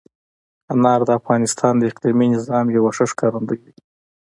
انار د افغانستان د اقلیمي نظام یوه ښه ښکارندوی ده.